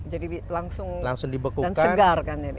jadi langsung dan segar kan ini